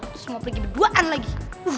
terus mau pergi berduaan lagi